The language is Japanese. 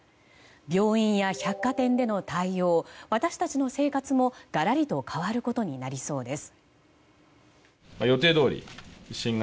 病院や百貨店での対応私たちの生活もがらりと変わることになりそうです。